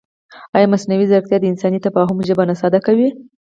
ایا مصنوعي ځیرکتیا د انساني تفاهم ژبه نه ساده کوي؟